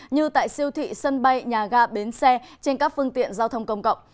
như tại siêu thị sân bay nhà ga bến xe trên các phương tiện giao thông công cộng